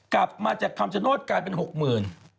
กลับมาจากคำสนสการเป็นหกหมื่น